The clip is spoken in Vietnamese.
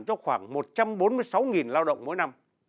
một trăm bốn mươi sáu lao động mỗi năm